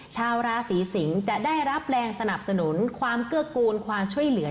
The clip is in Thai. ชาวราศีสิงศ์จะได้รับแรงสนับสนุนความเกื้อกูลความช่วยเหลือ